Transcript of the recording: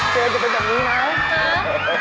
จะเป็นแบบนี้ไหม